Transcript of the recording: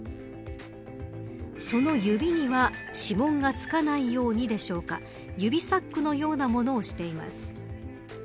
その指には、指紋がつかないようにでしょうか指サックのようなものをしています。